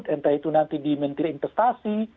entah itu nanti di menteri investasi